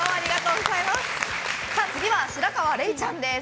次は、白河れいちゃんです。